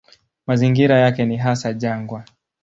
Mazingira yake ni hasa jangwa.